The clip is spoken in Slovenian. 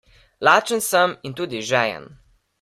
Lačen sem in tudi žejen.